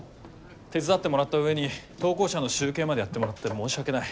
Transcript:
手伝ってもらった上に投稿者の集計までやってもらって申し訳ない。